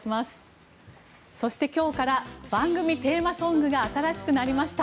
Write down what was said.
そして、今日から番組テーマソングが新しくなりました。